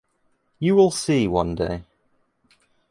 You will see one day